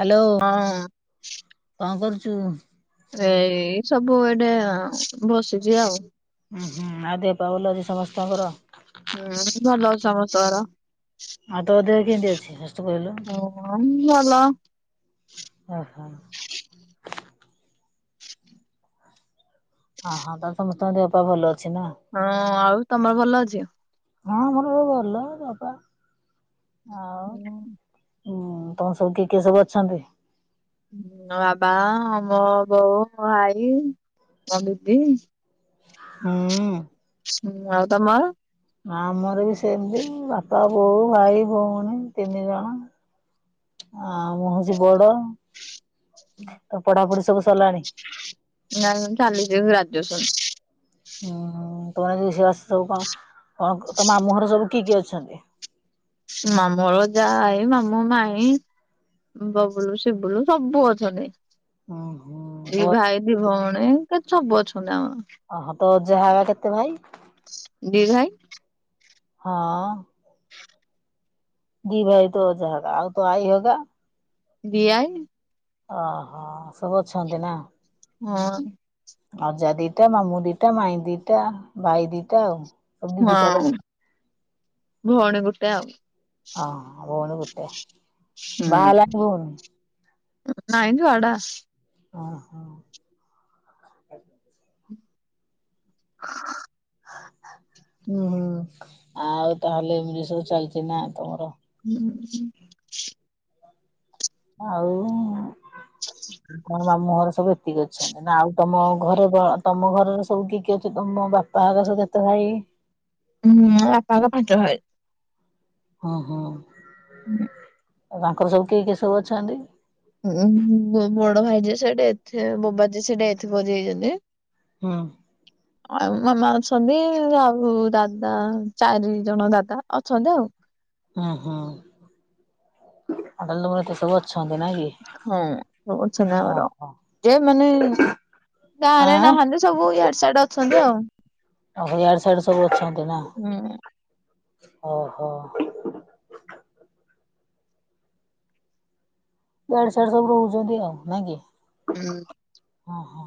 Hello ହଁ କଣ କରୁଛୁ? ଏଇ ସବୁ ଏଟେ ବସିଛି ଆଉ। ହୁଁ ହୁଁ ଆଉ ଦେହ ପାହା ଭଲ ଅଛି ସମସ୍ତଙ୍କର? ହୁଁ ଭଲ ଅଛି ସମସ୍ତଙ୍କର। ଆଉ ତୋ ଦେହ କେମିତି ଅଛି ଫାଷ୍ଟ କହିଲୁ? ହଁ ଭଲ। ଓ ହୋ। ହଁ ହଁ ତାହେଲେ ସମସ୍ତଙ୍କ ଦେହ ପାହା ଭଲ ଅଛି। ନା? ହଁ ଆଉ ତମର ଭଲ ଅଛି? ହଁ ମୋର ଭଲ ଦେହ ପାହା ଆଉ ହୁଁ ତମ ସବୁ କିଏ କିଏ ସବୁ ଅଛନ୍ତି? ବାବା ମୋ ବୋଉ ମୋ ଆଇ ମ ଦିଦି। ହୁଁ। ହୁଁ ଆଉ ତମର? ନା ଆମର ବି ସେମିତି ବାପା ବୋଉ ଭାଇ ଭଉଣୀ ତିନି ଜଣ। ଆ ମୁଁ ହଉଚି ବଡ ତମ ପଢାପଢି ସବୁ ସଲାଣି? ନା ନା ଚାଲିଚି ଏବେ ଗ୍ରାଜୁଏସନ। ଓ ହୋ। ତମର ଆଜି ରୋଷେଇବାସ ସବୁ କଣ କଣ ତମ ମାମୁଁ ଘର ସବୁ କିଏ କିଏ ଅଛନ୍ତି? ମାମୁ ଘର ଯାଏ ମାମୁ ମାଇ। ବବୁଲୁ ଶିବୁଲୁ ସବୁ ଅଛନ୍ତି। ହୁଁ ହୁଁ ତୋ ଦିଇ ଭାଇ ଦିଇ ଭଉଣୀ ସଅବୁ ଅଚ୍ଛନ୍ତି ଆମର। ତ ଯାଳା କେତେ ଭାଇ? ଦିଇ ଭାଇ। ହଁଅ। ଦିଇ ଭାଇ ତ ଯାଗ ଆଉ ତ ଆଇ ହରିକା? ଦିଆଈ। ଓହୋ ସବୁ ଅଛନ୍ତି ନା? ହଁ। ଅଜା ଦିଟା ମାମୁ ଦିଟା ମାଇ ଦିଟା ଭାଇ ଦିଟା ଆଉ। ସବୁ ଦି ଦିଟା ତମ ହଁ ଭଉଣୀ ଗୋଟେ ଆଉ। ହଁ ହଁ ଭଉଣୀ ଗୋଟେ, ବାହାହେଲାଣି ଭଉଣୀ? ନାଇ ଛୁଆ ଟା। ଓ ହୋ। ହୁଁ ହୁଁ ଆଉ ତାହେଲେ ଏମିତି ସବୁ ଚାଲିଚି ନା ତମର? ହୁଁ ହୁଁ। ଆଉ? ତମ ମାମୁଁ ଘର ସବୁ ଏତିକି ଅଛନ୍ତି ନା ଆଉ ତମ ଘରେ ତମ ଘରେ ସବୁ କିଏ କିଏ ଅଛନ୍ତି? ମୋ ବାପାଙ୍କ ହେରିକା କେତେ ଭାଇ? ହୁଁ ବାପାଙ୍କ ପାଞ୍ଚ ଭାଇ। ହଁ ହଁ। ଆଉ ତାଙ୍କର ସବୁ କିଏ କିଏ ସବୁ ଅଛନ୍ତି? ହୁ ବଡ଼ ଭାଇ ଯେ ସେ ଡେଥ ଏ ବୋବାଜ ସେ ଡେଥ କରିଯାଇଛନ୍ତି। ହଁ। ଆଉ ମାମା ଅଛନ୍ତି ଆଉ ଦାଦା ଚାରି ଜଣ ଦାଦା ଅଛନ୍ତି ଆଉ। ହୁଁ ହୁଁ ତାହାଲେ ଏତେ ସବୁ ଅଛ ହଁ ବହୁ ଚିନାବର ଓହୋ ଯେ ମାନେ ଗାଁ ରେ ଆଁ ନାହାନ୍ତି ସବୁ ଇଆଡ ସାଡେ ଅଛନ୍ତି ଆଉ ଓହୋ ଇଆଡେ ସିଆଡେ ସବୁ ଅଛନ୍ତି ନା। ହୁଁ। ଓହୋ। ଦେଢ ସାସ ସବୁ ରୁ ରଉଛନ୍ତି ଆଉ ନାଇଁ କି। ହଁ। ଓହୋ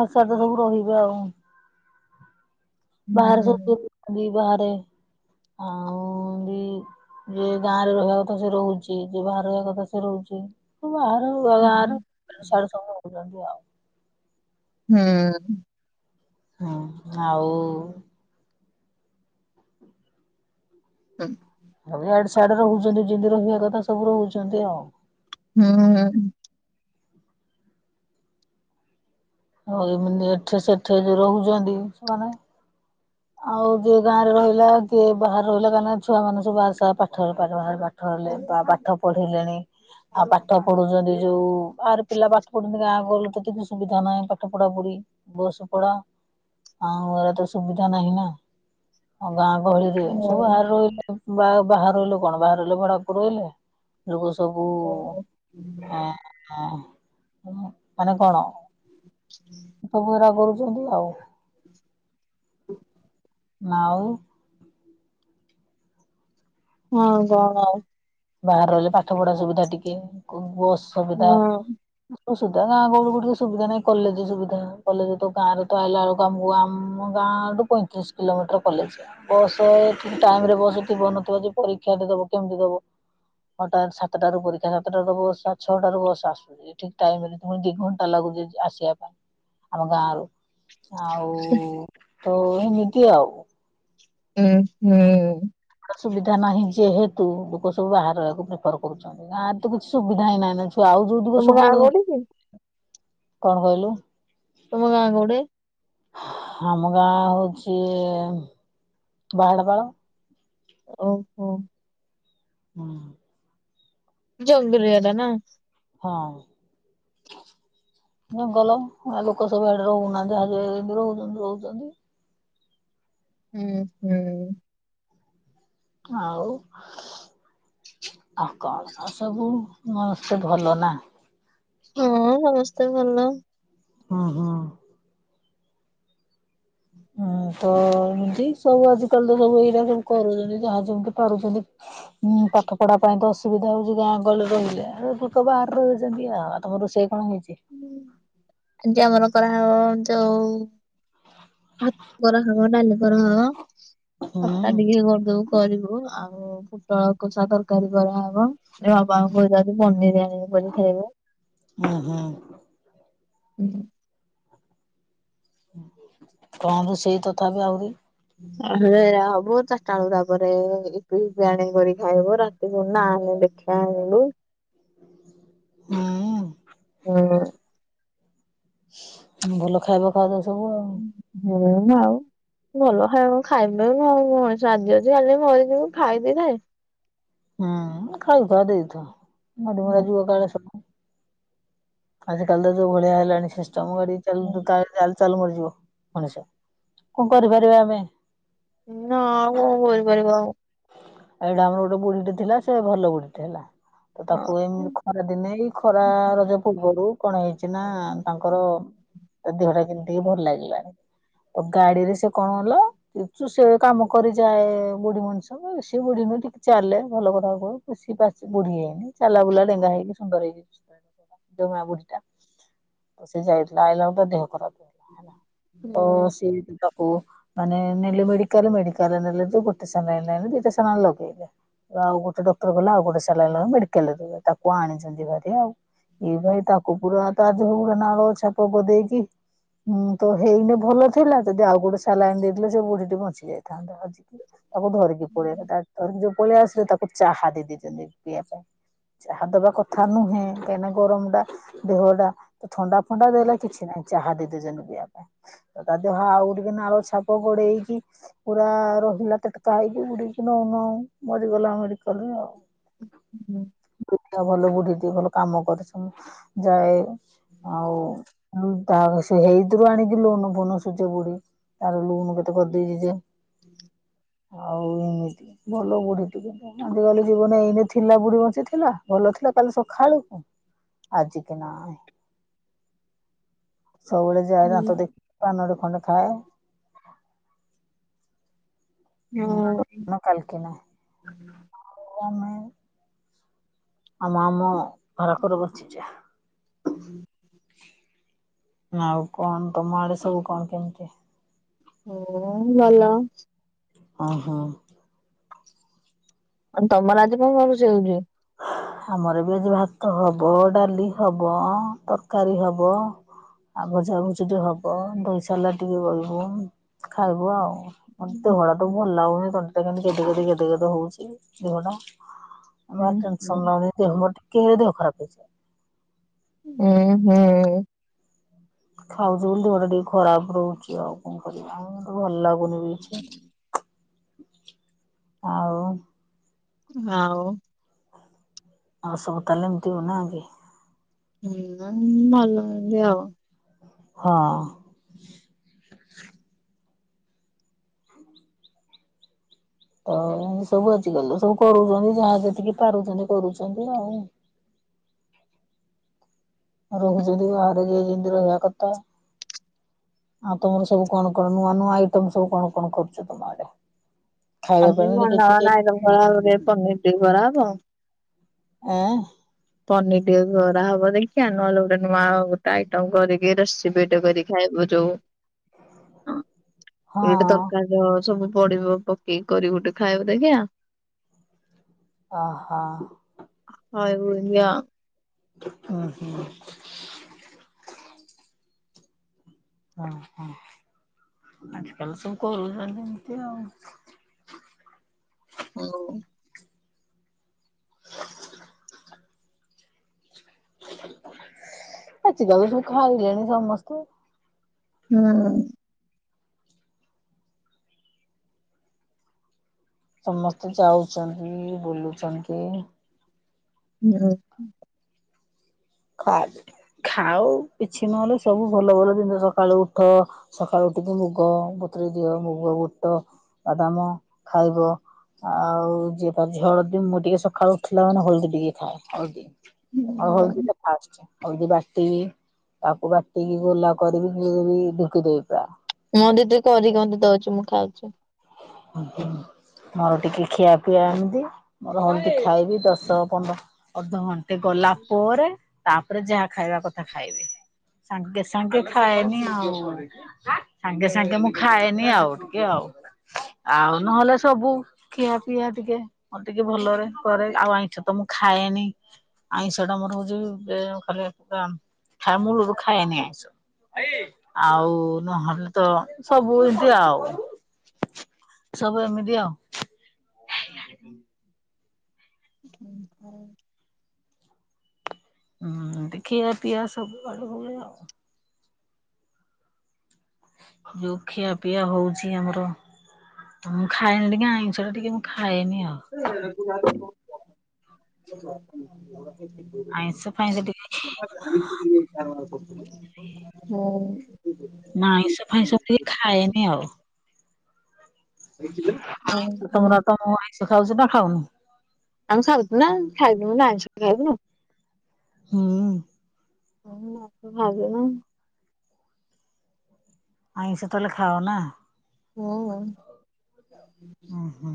ଆ ସେଦ ଦ ସବୁ ରହିବେ ଆଉ। ବାହଘର ସବୁ ହୁଁ ନ୍ତି ବାହାରେ। ଆଉ ଏ ଯ ଗାଁ ରେ ରହିବା କଥା ସେ ରହୁଚି, ଯେ ବାହାରେ ରହିବା କଥା ସେ ରହୁଚି ବାହାଘର [unintelligible] ସାଡେ ସବୁ ରହୁଛନ୍ତି ଆଉ। ହୁଁ। ହୁ ଆଉ। ହୁଁ। ଏଅଡେ ସେଆଡ଼େ ରେ ରହୁଛନ୍ତି ଯେମିତି ରହିବା କଥା ସବୁ ର ରହୁଚନ୍ତି ଆଉ। ହୁଁ ହୁଁ। ଆଉ ଏମିତି ଏଠି ସେଠି ଯୋଉ ରହୁଛନ୍ତି ସେମାନେ । ଆଉ ଯିଏ ଗାଁ ରେ ରହିଲା କିିଏ ବାହାରେ ରହିଲା କାହିଁକି ଛୁଆ ମାନ ସବୁ ବାହା ସହା ପାଠ ରେ ବାହ ପାଠରେ । କଲେ ତ ପାଠ ପଢିଲେଣି ଆଉ ପାଠ ପଢୁଛନ୍ତି ଯୋଉ ଆରେ ପିଲା ପାଠ ପଢୁଛନ୍ତି ଗାଁ । ରୁ ତ କିଛି ସୁବିଧା ନାହିଁ ପାଠ ପଢା ପଢି ବସ ପଢା ଆଉ ଏ ରା ତ ସୁବିଧା । ନାହିଁ ନା ଆଉ ଗାଁ ଗହଳି ରେ ସବୁ ବହରେ ରହିଲେ। ବାହା ବାହାରେ ରହିଲ କଣ ବାହାର ରହିଲ ଭଡାକୁ ରହିଲେ । ସବୁ ହଁ ମାନେ କଣ । ସବୁଗୁରା କରୁଛନ୍ତି ଆଉ । [unintelligible] ନା ଆଉ । ହଁ ଉ କଣ ଆଉ । ବାହାରେ ରହିଲେ ପାଠ ପଢା ସୁବିଧା ଟିକେ ବସ୍ ହଁ ସୁବିଧା । ତ ସେଟା ଗାଁ ଗହଳି ରେ ବି ଟିକେ ସୁବିଧା ନାଇଁ କଲେଜ ସୁବଧା କଲେଜ ତ ଗାଁରେ ତ ଆଇଲା ବେଳକୁ ଆମକୁ ଆମ ଗାଁ । ଠୁ ପଇଁତିରିଶ କିଲୋମିଟର କଲେଜ ବସ୍ ଠିକ୍ ଟାଇମ ରେ ବସ୍ ଥିବ ନଥିବା ଯଦି ପରୀକ୍ଷା ଟେ ଦବୁ । କେମିତି ଦବୁ । ଛଟା ସାତଟା ରୁ ପରୀକ୍ଷା ସାତଟାରୁ ତ ବସ୍ ଛଅଟାରୁ ବସ୍ ଆସୁଛି ଇଏ ଠିକ୍ ଟାଇମ ରେ ତ ପୁଣି ଦି ଘଣ୍ଟା ଲାଗୁଛି। ଆସିବା ପାଇଁ ଆମ ଗାଁ ରୁ । ଆଉ ତୋ ଏମିତି ଆଉ । ଉଁ ହୁଁ । ସୁବିଧା ନାହିଁ ଯେହେତୁ ଲୋକ ସବୁ ବାହାର ରହିବାକୁ ପ୍ରିଫର କରୁଛନ୍ତି ଗାଁରେ ତ କିଛି ସୁବିଧା ହିଁ ନାହିଁ । ସେ ଆଉ ଯୋଉ ତିକ ତମ ସୁବୁ ଗାଁ ରଇ କୋଉଠି କି କଣ କହିଲୁ । ତମ ଗାଁ କୋଉଠେ ଆମ ଗାଁ ହଉଚି ବାହାଡ ପାଳ । ଓହୋ । ହଁ । ଜଙ୍ଗଲିଆ ଟା ନା। ହଁ । ଜଙ୍ଗଲ ଲୋକ ସବୁ ଆଡେ ରହୁ ନାହାନ୍ତି ଆଉ ଯିଏ ଯେମତି ରହୁଛନ୍ତି ରହିଛନ୍ତି। ହୁଁ ହୁଁ । ଆଉ । ଆଉ କଣ ସବୁ ସମସ୍ତେ ଭଲ ନା । ହଁ ସମସ୍ତେ ଭଲ । ହଁ ହଁ । ଉଁ । ତ ଇଁତି ସବୁ ଆଜିକାଲି ତ ସବୁ ଏଇରା ସବୁ କରୁଛନ୍ତି ଯାହା ଯେମିତି ପାରୁଛନ୍ତି। ପାଠ ପଢା ପାଇଁ ତ ଅସୁବିଧା ହଉଛି ଗାଁ ଗହଳି ରେ ରହିଲେ ଲୋକ ବାହା ରେ ରହୁଛନ୍ତି ଆଉ ତମ ରୋଷେଇ । ଆଜି ଆମର କରା ହବ ଯୋଉ । ଭାତ କରା ହବ ଡାଲି କରା ହବ ହୁଁ ଖଟା ଟିକେ କରିଦବୁ କରିବୁ ଆଉ । ଓ ଫୁଟଳ ଆଳୁ କଷା ତରକାରୀ କରାହବ ଯେ ବାପା ଙ୍କୁ କହି ଚି ଆଜୀ ପନିରି ଆ ଣିବେ କରିକି ଖାଇବୁ । ଉଁ ହୁଁ । [unintelligible] କଣ ରୋଷେଇ ତଥାବି ଆହୁରି । ଏୟା ହବ ଚାରିଟା ବେଳକୁ ତା ପରେ ଇଫି ପିଫି ଆଣି କରି ଖାଇବୁ ରାତି କୁ ନାନେ । ଦେଖିଆ ଆଣିବୁ । ହୁଁ । ହୁଁ । ଭଲ ଖାଇବା ଖାଉଚ ସବୁ । ହୁଁ ଆଉ । ଭଲ ଖାଇବା କଣ ଖାଇବୁ ପିଇବୁ ଆଉ ମଣିଷ ଆଜି ଅଛି କାଲି ମରି ଯିବୁ ଖାଇ ଦେଇ ଥାଏ । ହୁଁ, ଖାଇ ଖୁଆ ଦେଇଥାଅ ମରିମୁରା ଯିବ କାଳେ ସ ଆଜି କାଲି ଯୋଉ ଭଳିଆ ହେଲାଣି ସିଷ୍ଟମ୍ ଗାଡି ହୁଁ ଚାଲ ଚା ଚାଲୁ ମରି ମଣିଷ କଣ କରିପାରିବା ଆମେ? ନା, ଆଉ କଣ କରିପାରିବା ଆଉ ଏଇଟା ଆମର ଗୋଟେ ବୁଢୀଟେ ଥିଲା, ସେ ଭଲ ବୁଢୀଟେ ହେଲା। ତ ହଁ ତାକୁ ଏମିତି ଖରା ଦିନେ ଏଇ ଖରା ରଜ ପୂର୍ବରୁ କଣ ହେଇଛି ନା ତାଙ୍କର ତା ଦେହଟା କେମିତି ଭଲ ଲାଗିଲାଣି ଗାଡିରେ ସେ କଣ ହେଲା? ସେ କାମ କରିଯାଏ ବୁଢୀ ମଣିଷ ସବୁ ସେ ବୁଢୀ ଟିକେ ଚାଲେ ଭଲ କଥା କୁହ ବ ବୁଢୀ ହେଇନି ଚାଲା ବୁଲା ଢେଙ୍ଗା ହେଇକି ସୁନ୍ଦର ହେଇଛି। ତୋ ମା ବୁଢୀ ଟା ସେ ଯାଇଥିଲା ଆଇଲା ବେଳେ ଦେହ ଖରାପ ହେଇଗଲା ହେଲା [unintelligible] ଓ ହୁଁ। ସିଏ ପାକୁ ମାନେ ନେଲେ ମେଡିକାଲ ମେଡିକାଲ ନେଲେ ତୁ ଗୋଟେ ସାନିଇଳ ଦଟେ ସାଲାଇନ ଲୋଗେଇଲେ [unintelligible] ଆଉ ଗୋଟେ ଡକ୍ଟର ଗଲେ ଆଉ ଗୋଟେ ସାଲାଇନ୍ [unintelligible] ମେଡିକାଲ ରେ ତାକୁ ଆଣିଛନ୍ତି ଭାରି ଆଉ ଏଇ ଭାଇ ତାକୁ ପୁରା ତ ଆ ପୁରା ନାଳ ଛାପକୁ ଦେଇକି [unintelligible] ହୁଁ ତ ହେଇନେ ଭଲ ଥିଲା ଯଦି ଆଉ ଗୋଟେ ସାଲାଇନ୍ ଦେଇଥିଲେ ସେ ବୁଢୀଟି ବଞ୍ଚି ଯାଇଥାନ୍ତା ଆଜିକି [unintelligible] ତାକୁ [unintelligible] ପର ଯଉ [unintelligible] ପଳେଇ ଆସିଲା ତାକୁ ଚାହା ଦେଇ ଦେଇଛନ୍ତି ପିଇବା ପାଇଁ ଚାହା ଦେବା କଥା ନୁହେଁ କାହିଁକିନା ଗରମଟା ଦେହଟା ଥଣ୍ଡା ଫଣ୍ଡା ଦେଲେ କିଛି ନାହିଁ। ଚାହା ଦେଇ ଦେଇଛନ୍ତି ପିଇବା ପାଇଁ ତା ଦେହ ଆଉ ଟିକେ ନାଳ ଛାପ ଗୋଡେଇକି ପୁରା [unintelligible] ହେନା ଟଟକାଇ [unintelligible] ବୁଡିକି ନଉନ ମରି ଗଲା ମେଡିକାଲରେ ଆଉ ବୁଢ଼ୀ ଟା ଭଲ ବୁଢ଼ୀ ଟା ଭଲ କାମ କରିଛ। ଯାଏ ଆଉ [unintelligible] ହେଇଥିରୁ ଆଣିକି ଲୋନ ଫୁନ ସୁଚ ବୁଢୀ ତାର ଲୁନ କେତେ କରିଦେଇଛି ଯେ ହୁ [inaudible] ଆଉ ତି ଭଲ ବୁଢୀ ଟିକେ ଆଜିକାଲି ଜୀବନ ଏଇନେ ଥିଲା ବୁଢୀ ବଞ୍ଚି ଥିଲା ଭଲ ଥିଲା କାଲି ସକାଳେ ଆଜି କେ ନ [unintelligible] ସବୁବେଳେ ହୁଁ ଯାଏନା ତ ଦେଖ ପାନରୁ ଖଣ୍ଡେ ଖାଏ। ହଁ ମ [unintelligible] କାଲିକିନମେ [unintelligible] ଆମ ଆମ [unintelligible] ଘରକରେ ବସିଛ [unintelligible] ହ [unintelligible] ଆଉ କଣ ତମ ଆଡେ ସବୁ କଣ କେମିତି? ହ ଭଲ। ହ ହୋ। ଆ ତମର ଆଜି କଣ [unintelligible] କଣୁଷ ହେଉଛି? ହଁ। ଆମର ଏବେ ଆଜି ଭାତ ହବ ଡାଲି ହବ ତରକାରୀ ହବ ଆ ଭଜା ଭଜୀ ଟେ ହବ ଦହି ସାଲାଡ଼ ଟିକେ ବହିବୁ ଖାଇବୁ ଆଉ [unintelligible] ମତ [unintelligible] ଦଡା ତୁ ଭଲ ଲାଗଉନି ତଣ୍ଡି ଟା କେମିତି କେତେ କେତେ କେତେ କେତେ ହଉଛି ଯିବନ [unintelligible] ଦି ଟା ଆମ ଉଁ ଟେସନ [unintelligible] ଲାଗର ଟିକେ ଦେହ ଖରାପ ହୋଇଯାଏ ହୁଁ ହୁଁ। ଖାଉଛି ବୋଲି ଦେହ ଟା ଟିକେ ଖରାପ ରହୁଛି ଆଉ କଣ କରିବା [unintelligible] ଭଲ ଲାଗୁ [unintelligible] ବନ ରଛି ଆଉ [unintelligible] ଆଉ । ଆଉ ସବୁ ତାଲେ [unintelligible] ଏମତିଉନା କି ହୁଁ [unintelligible] ନଲ ଲ ଆବ [unintelligible] ହଁ। ତ ଏତି ସବୁ ଆଜିକାଲ ସବୁ କରୁଛନ୍ତି ଯାହା ଯେତିକି ପାରୁଛନ୍ତି କରୁଛନ୍ତି ଆଉ [inaudible] ରୋଗ ଯଦି ବାହାରେ [unintelligible] ଇଏ ଏମିତି ରହିବା କଥା ଆଉ ତମର ସବୁ କଣ କଣ ନୂଆ ନୂଆ ଆଇଟମ୍ ସବୁ କଣ କଣ କରୁଛୁ ତମଆଡେ। ଖାଇବା ଆଜି ମନ ପାଇଁକିଛିଦେ ଆଇଟମ କରାହବ ଇନି ପନିର ଟିକେ କରାହବ। ଆଁ। ପନିର ଟିକେ ଖରା ହବ ଦେଖିବା ନହେଲେ ଗୋଟେ ନୂଆ ଗୋଟେ ଆଇଟମ କରିକି ଭିଡୁଅ କରିକି ଖାଇବୁ ଯୋଉ ହଁ ଗୋଟେ ତରକାରୀ ସବୁ ପଡିବ ପକେଇକି କରି ଗୋଟେ ଖାଇବୁ ଦେଖିଆ। ଅ ହ। ଖାଇବୁ ୟ ଅ। ହୁଁ ହୁଁ। ହଁ ହ। ଆଜି କାଲି ସବୁ କରୁଛନ୍ତି ଏମିତି ଆଉ। ଆଉ। ଆଛିିକାଲିସବୁ ଖାଇିଲେଣି ସମସ୍ତେ। ହୁଁ। ସମସ୍ତେ ଯାଉଛନ୍ତି ବୁଲୁଛନ୍ତି। ହୁଁ। ଖ ଖାଉ କିଛି ନହେଲେ ସବୁ ଭଲ ଭଲ ଜିନିଷ ସକାଳୁ ଉଠ ସକାଳୁ ଉଠିକି ମୁଗ ବତରେ ଦିଅ ମୁଗ ବୁଟ ବାଦାମ ଖାଇବ ଆଉ ଯିଏ ତ ହଳଦୀ ମୁଁ ଟିକେ ସକାଳୁ ଉଠିଲା ମାନେ ହଳଦୀ ଟିକେ ଖାଏ ହଳଦୀ [unintelligible] ଆଛା ହଲଦି ବାଟି କି ତାକୁ ବାଟିକି ଗୋଲା କରିକି ବି ଡୋକି ଦେବି ପୁରା। ମୋ ଦିଦି କରିକି ମତେ ଦଉଛିୁ ମୁଁ ଖାଉଛି। ହ ହୁଁ। ଆଉ ଟିକେ ଖିଆ ପିଆ ଏମତି ମୋର ହଉମତି ଅଧଘଣ୍ଟା ଖାଇବି ଦଶ ପନ୍ଦର ଅଧଘଣ୍ଟା ସେ ଗଲା ପରେ ତାପରେ ଯାହା ଖାଇବା କଥା ଖାଇବି। ସାଙ୍ଗେ ସାଙ୍ଗେ ଖାଏନି ଆଉ ସାଙ୍ଗେ ସାଙ୍ଗେ ମୁଁ ଖାଏନି ଆଉ ଟିକେ ଆଉ। ଆଉ ନହେଲେ ସବୁ ଖିଆ ପିଆ ଟିକେ ମୁଁ ଟିକେ ଭଲରେ କରେ ଆଉ ଆଇଁସ ତ ମୁଁ ଖାଏନି। ଆଇଁଷ ଟା ମୋର ହଉଛି ଖା ଖ ମୂଳରୁ ଖାଏନି ଆଇଁଷ। ଆଉ ନହେଲେ ତ ସବୁ ଏମିତି ଆଉ। ସବୁ ଏମିତି ଆଉ। ହୁଁ ଫରେ। ହୁଁ ଖିଆ ପିଆ ସବୁ ଆଡୁ ହୁଏ ଆଉ। ଯୋଉ ଖିଆ ପିଆ ହଉଛି ଆମର ମୁଁ ଖାଇନି ଟିକେ ଆଇଁଷ ଟା ଟିକେ ମୁଁ ଖାଇ ଖାଏ ଇନିି ଆଉ। ଯାଣି ଆଇଁଷ ଶୁଣି ଫାଇଁଷ ଟିକେ କିଖାଉ ନାହାନ୍ତି। ହୁଁ। ମୁଁ ଆଇଁସ ଫାଇଁସ ଟିକେ ଖାଏନି ଆଉ। ହେଇଚି ନା କୋଉ ଭଲି ସେ ଖାଉଚି ନା ଖାଉନି? ଆମେ ଖାଚୁନା ଖାଇବୁ ବୋଲି ଆଇସ ଟିକେ ଖାଇବୁନୁ। ହୁଁ। ମୁଁ ମାଛଅ ଖାଉଛି ନା। ଆଇଁସ ତାହେଲେ ଖାାଅ ନା? ହୁଁ। ହଁ ହୁଁ।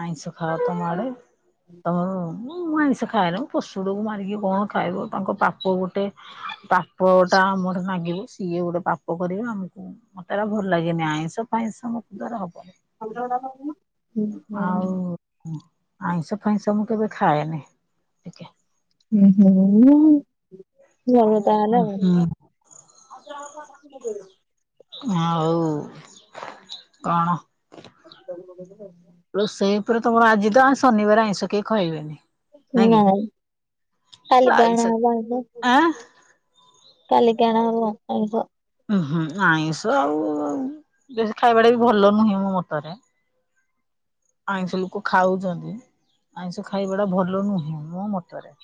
ଆଇଁଷୁ ଖାଅ ତମ ଆଡେ ତମର ଆଇଷ ଖାଏନି ପଶୁଗୁଡ଼ିକୁ ମାରିକି କଣ ଖାଇବ ତାଙ୍କ ପାପ ଗୋଟେ ପାପ ଟା ଆମଠି ମାଗିବୁ ସିଏ ଗୋଟେ ପାପ କରିବେ ଆମକୁ ମତେ ହେରା ଭଲ ଲାଗେନି ଆଇଁଷ ଫାଇଁଷ ମୋ ଦ୍ଵାରା [unintelligible] ହବନି। କରୁନ ଉହୁଁ। ମୁଁ ଆଇଁଷ ଫାଇଁଷ ମୁଁ କେବେ ଖାଏନି ଟିକେ ଉଁ ହୁଁଉଁ। ଭଲ ତାହେଲେ ଉଁ ଆଉ। ହୁଁ ହଁ ହୋଉ କଣ? ହସ୍ପିଟାଲରେ ପକେଇ ଦେଲେ। ରୋଷେଇ ଉପରେ ତମର ଆଜି ତ ଆ ଶନିବାର ଆଇଁଷ କେହି ଖାଇବେନି। ନାଇଁ ଆଇଁଷ କାଲିଗାଣା ଆଁ [unintelligible] କାଲି କେଣା ହବ ଆଇଁଷ? ଉଁହୁଁ ଆଇଁଷ ଆଉ ବେଶି ଖାଇବା ଟା ବି ଭଲ ନୁହେଁ ମୋ ମତରେ। ଆଇଁଷ ଲୋକ ଖାଉଚନ୍ତି ଆଇଁଷ ଖାଇବା ଟା ଭଲ ନୁହେଁ ମୋ ମତରେ।